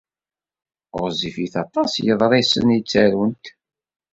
Ɣezzifit aṭas yeḍrisen i ttarunt.